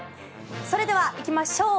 それではいきましょう。